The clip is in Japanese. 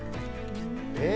え？